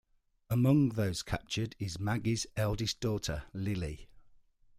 Among those captured is Maggie's eldest daughter, Lilly.